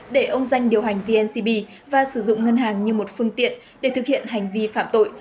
để ông danh điều hành vncb và sử dụng ngân hàng như một phương tiện để thực hiện hành vi phạm tội